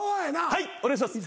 はいお願いします。